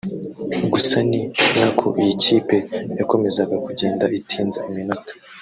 gusa ni nako iyi kipe yakomezaga kugenda itinza iminota